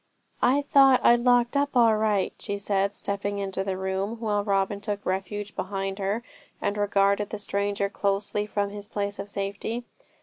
'I thought I'd locked up all right,' she said, stepping into the room, while Robin took refuge behind her, and regarded the stranger closely from his place of safety.